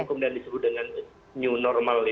itu yang saya sebut dengan new normal